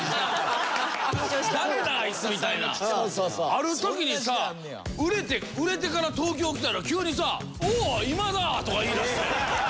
ある時にさ売れてから東京来たら急にさ「おう！今田！」とか言い出して。